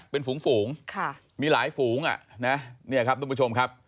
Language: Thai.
เป็นฝูงมีหลายฝูงอ่ะนะเนี่ยครับทุกผู้ชมครับ